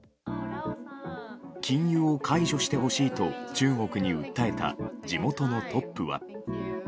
禁輸を解除してほしいと中国に訴えた地元のトップは。